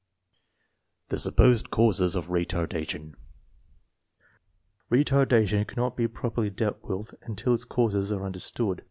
The supposed causes of retardation. Retardation cannot be properly dealt with until its causes are un derstood.